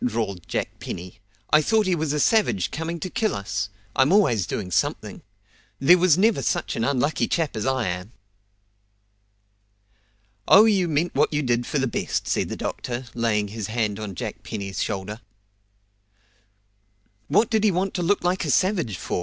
drawled Jack Penny. "I thought he was a savage coming to kill us. I'm always doing something. There never was such an unlucky chap as I am!" "Oh, you meant what you did for the best!" said the doctor, laying his hand on Jack Penny's shoulder. "What did he want to look like a savage for?"